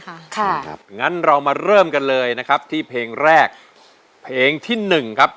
ค่ะครับงั้นเรามาเริ่มกันเลยนะครับที่เพลงแรกเพลงที่หนึ่งครับ